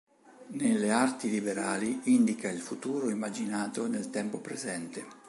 Nelle arti liberali indica il futuro immaginato nel tempo presente.